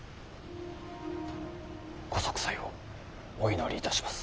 ご息災をお祈りいたします。